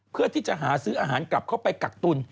เพื่อที่จะหาซื้ออาหารกลับเข้าไปกักตุล